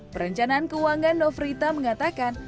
perencanaan keuangan nofrita mengatakan